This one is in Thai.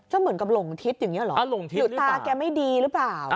ก็เหมือนกับหลงทิศอย่างนี้เหรอหรือตาแกไม่ดีหรือเปล่า